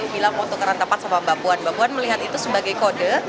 bilang foto karena tempat sama mbak puan mbak puan melihat itu sebagai kode